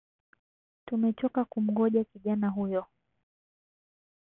Tumechoka kumgoja kijana huyo